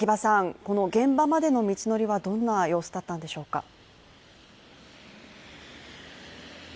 この現場までの道のりはどんな様子だったんででしょうか？